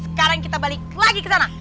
sekarang kita balik lagi kesana